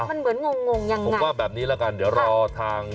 มันเหมือนงงงยังไงผมว่าแบบนี้ละกันเดี๋ยวรอทาง